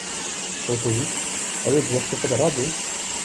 Otobus ew ê di wextê xwe de rabe?